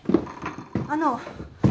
あの！